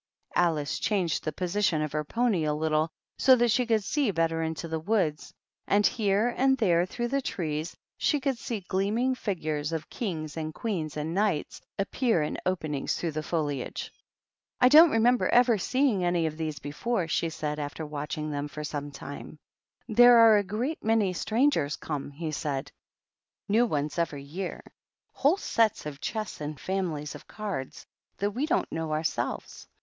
Alice changed the position of her pony a little so that she could see better into the woods, and here and there through the trees she could see gleaming figures of Kings and Queens and Knights appear in openings through the foliage. "I don't remember ever seeing any of these before," she said, after watching them for some time. " There are a great many strangers come," he said ;" new ones every year ; whole sets of chess and families of cards that we don't know ourselves.